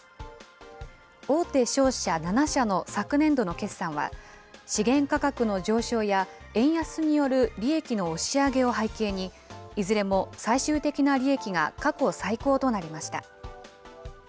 大手商社７社の昨年度の決算は、資源価格の上昇や円安による利益の押し上げを背景に、いずれも最終的な利益が過去最高となりました。